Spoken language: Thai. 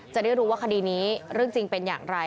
จะได้รู้ว่าคดีนี้เรื่องจริงเป็นอย่างไร